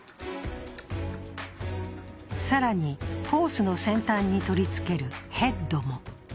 更にホースの先端に取り付けるヘッドも。